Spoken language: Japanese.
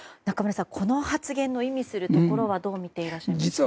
中村さんこの発言の意味するところはどう見ていますか？